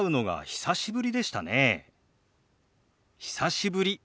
久しぶり。